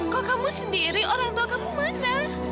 kok kamu sendiri orang tua kamu mana